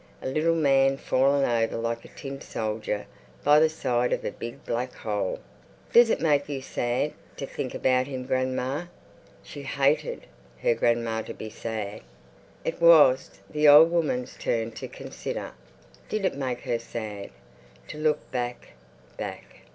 A little man fallen over like a tin soldier by the side of a big black hole. "Does it make you sad to think about him, grandma?" She hated her grandma to be sad. It was the old woman's turn to consider. Did it make her sad? To look back, back.